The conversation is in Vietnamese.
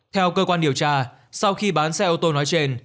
theo cơ quan điều tra sau khi bán xe ô tô nói trên